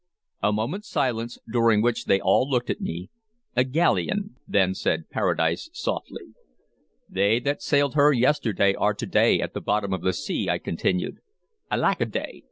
A moment's silence, during which they all looked at me. "A galleon," then said Paradise softly. "They that sailed her yesterday are to day at the bottom of the sea," I continued. "Alackaday!